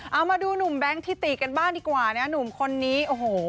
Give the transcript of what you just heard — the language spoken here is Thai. เอามาดูหนุ่มแบงค์ทิติกันบ้างดีกว่านะหนุ่มคนนี้โอ้โห